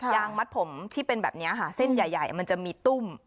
งมัดผมที่เป็นแบบนี้ค่ะเส้นใหญ่มันจะมีตุ้ม